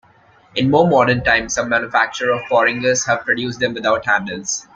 In more modern times, some manufacturers of porringers have produced them without handles.